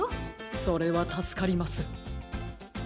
それはたすかります。